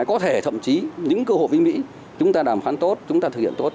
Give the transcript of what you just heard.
có thể thậm chí những cơ hội với mỹ chúng ta đàm phán tốt chúng ta thực hiện tốt